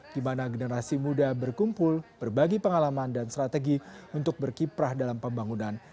di mana generasi muda berkumpul berbagi pengalaman dan strategi untuk berkiprah dalam pembangunan